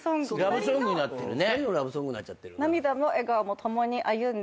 ラブソングになってるね。